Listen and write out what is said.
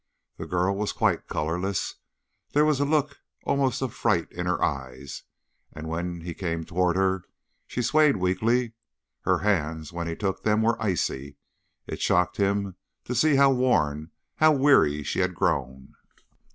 The girl was quite colorless, there was a look almost of fright in her eyes, and when he came toward her she swayed weakly. Her hands, when he took them, were icy; it shocked him to see how worn, how weary she had grown.